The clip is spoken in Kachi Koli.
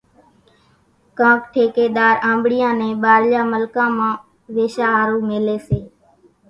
ڪاڪ ٺيڪيۮار آنٻڙيان نين ٻارليان ملڪان مان ويشا ۿارُو ميليَ سي۔